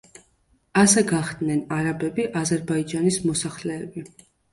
ასე გახდნენ არაბები აზერბაიჯანის მოსახლეები.